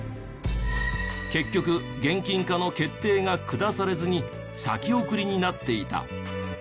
結局現金化の決定が下されずに先送りになっていた。